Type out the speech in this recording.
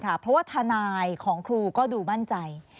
เพราะว่าทนายของครูก็ดูมั่นใจ